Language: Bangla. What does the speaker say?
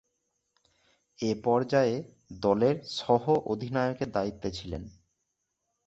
এ পর্যায়ে দলের সহঃ অধিনায়কের দায়িত্বে ছিলেন।